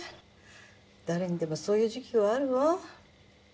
誰にでもそういう時期はあるわ。